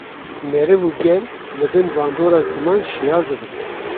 meriv û gel li bin bandora ziman şiyar dibin